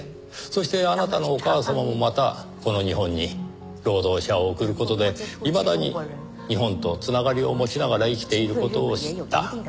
そしてあなたのお母様もまたこの日本に労働者を送る事でいまだに日本と繋がりを持ちながら生きている事を知った。